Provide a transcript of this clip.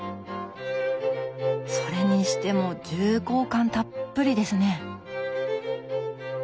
それにしても重厚感たっぷりですね。